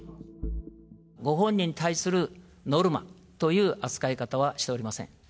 ご本人に対するノルマという扱い方はしておりません。